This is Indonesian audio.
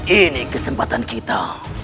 ini kesempatan kita